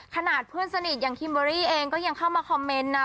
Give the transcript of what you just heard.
ขนาดเพื่อนสนิทอย่างคิมเบอรี่เองก็ยังเข้ามาคอมเมนต์นะ